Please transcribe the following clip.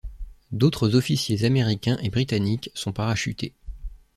D'autres officiers américains et britanniques sont parachutés.